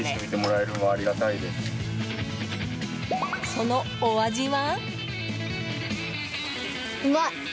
そのお味は？